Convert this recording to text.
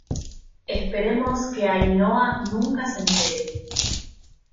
esperemos que Ainhoa nunca se entere